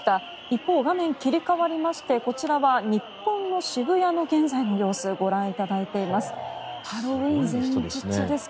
一方、画面が切り替わりましてこちらは日本の渋谷の現在の様子をご覧いただいています。